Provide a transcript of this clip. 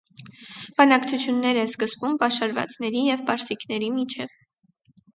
Բանակցություններ է սկսվում պաշարվածների և պարսիկների միջև։